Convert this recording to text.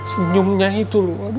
senyumnya itu loh aduh